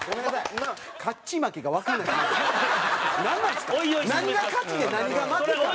何が勝ちで何が負けか。